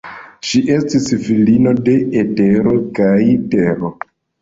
Ŝi estis filino de Etero kaj Tero.